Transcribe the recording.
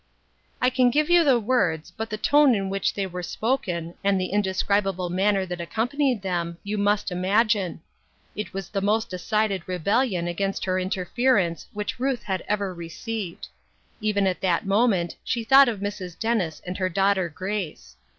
I can give you the words, but the tone in which they were spoken, and the indescribable manner that accompanied them, you must imagine. It was the most decided rebellion against her inter ference which Ruth had ever received. Even at that moment she thought of Mrs. Dennis and her daughter Grace.